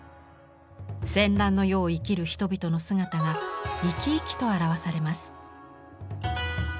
戦乱の世を生きる人々の姿が生き生きと表されます。